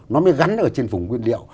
nó mới gắn ở trên vùng nguyên liệu